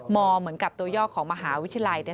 เหมือนกับตัวย่อของมหาวิทยาลัย